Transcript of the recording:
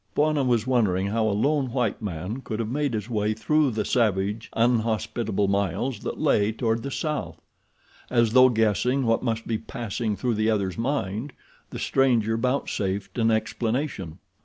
Bwana was wondering how a lone white man could have made his way through the savage, unhospitable miles that lay toward the south. As though guessing what must be passing through the other's mind, the stranger vouchsafed an explanation.